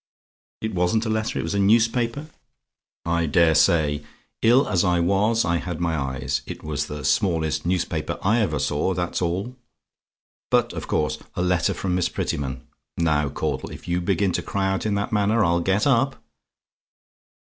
"IT WASN'T A LETTER; IT WAS A NEWSPAPER? "I daresay; ill as I was, I had my eyes. It was the smallest newspaper I ever saw, that's all. But of course, a letter from Miss Prettyman Now, Caudle, if you begin to cry out in that manner, I'll get up.